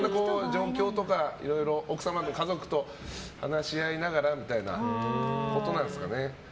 いろいろ、奥様、家族と話し合いながらみたいなことなんですかね。